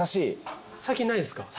最近ないですか？